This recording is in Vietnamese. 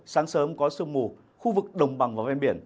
sáng sớm có sương mù khu vực đồng bằng và ven biển